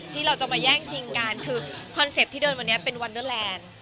ที่เราจะมาแย่งชิงกันคือคอนเซ็ปต์ที่เดินวันนี้เป็นวันเดอร์แลนด์